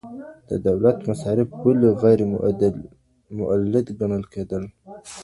د دولت مصارف ولې غیرمؤلد ګڼل کېدل؟